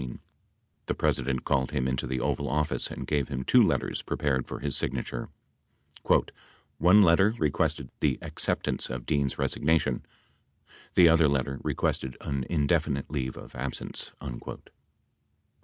Dean testified that, on April 1(1, the President called him into the Oval Office and gave him two letters prepared for his signature, "one letter requested the acceptance of Dean's resignation, the other letter requested an indefinite leave of absence."